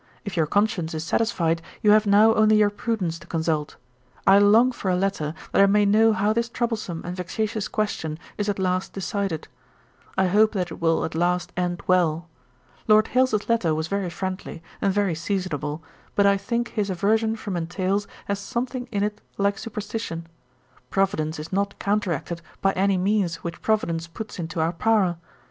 If your conscience is satisfied, you have now only your prudence to consult. I long for a letter, that I may know how this troublesome and vexatious question is at last decided. I hope that it will at last end well. Lord Hailes's letter was very friendly, and very seasonable, but I think his aversion from entails has something in it like superstition. Providence is not counteracted by any means which Providence puts into our power.